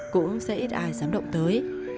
cũng sẽ ít ai dám động tới